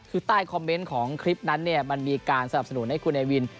คือใต้คอมเมนต์ของคลิปนั้นเนี่ยมันมีการสนับสนุนให้คุณเอวิน